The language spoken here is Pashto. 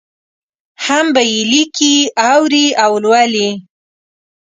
هم به یې لیکي، اوري او لولي.